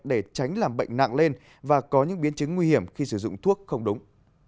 để tránh làm bệnh nặng lên và có những biến chứng nguy hiểm khi sử dụng thuốc không đúng